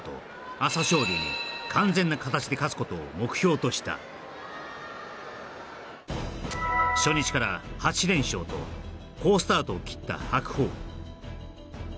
朝青龍に完全な形で勝つことを目標とした初日から８連勝と好スタートを切った白鵬